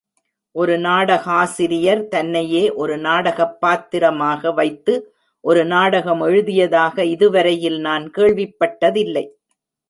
ஒரு நாடகாசிரியர் தன்னையே ஒரு நாடகப் பாத்திரமாக வைத்து ஒரு நாடகமெழுதியதாக இதுவரையில் நான் கேள்விப்பட்டதில்லை.